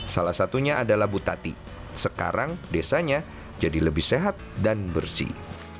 salah satunya adalah butati sekarang desanya jadi lebih sehat dan bersih